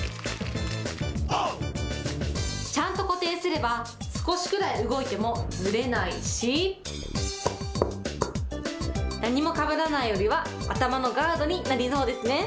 ちゃんと固定すれば、少しくらい動いてもずれないし、何もかぶらないよりは、頭のガードになりそうですね。